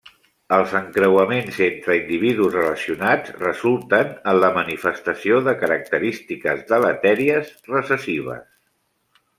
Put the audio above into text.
Els encreuaments entre individus relacionats resulten en la manifestació de característiques deletèries recessives.